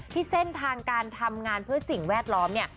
ทางการทำงานเพื่อสิ่งแวดล้อมเนี่ย